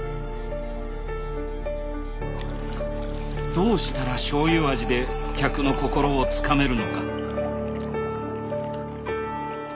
どうしたら醤油味で客の心をつかめるのか。